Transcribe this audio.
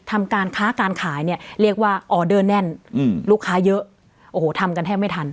ทำการค้าการขายเนี่ยเรียกว่าออเดอร์แน่นอืมลูกค้าเยอะโอ้โหทำกันแทบไม่ทัน